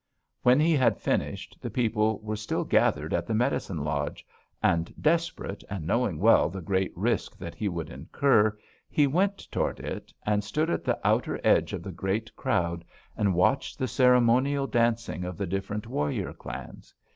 When he had finished, the people were still gathered at the medicine lodge, and, desperate, and knowing well the great risk that he would incur, he went toward it, and stood at the outer edge of the great crowd and watched the ceremonial dancing of the different warrior clans.